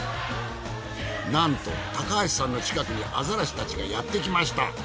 なんと高橋さんの近くにアザラシたちがやってきました。